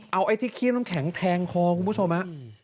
เอาไอ้ที่เขี้ยน้ำแข็งแทงคอคุณผู้ชมฮะ